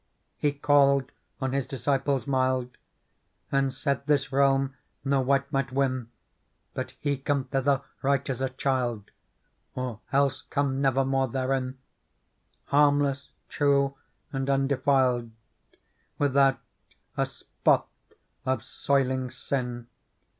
*' He called on His disciples mild, And said, this realm no wight might win But he come thither right as a child. Or else come nevermore therein : Harmless, true, and undefiled, Wijthouteaspot of soiling sin.